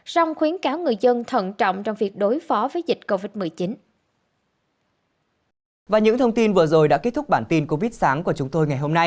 xong khuyến cáo người dân tham gia cuộc sống bình thường